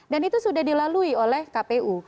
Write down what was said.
dan itu sudah dilalui oleh kpu